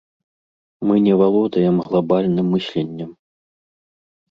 Мы не валодаем глабальным мысленнем.